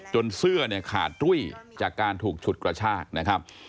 เสื้อเนี่ยขาดรุ่ยจากการถูกฉุดกระชากนะครับ